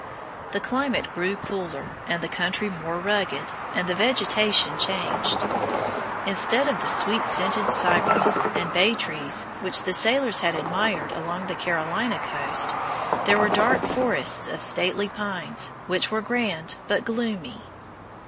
The climate grew cooler and the country more rugged, and the vegetation changed. Instead of the sweet scented cypress and bay trees which the sailors had admired along the Carolina coast, there were dark forests of stately pines, which were grand but gloomy.